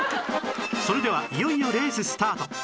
それではいよいよレーススタート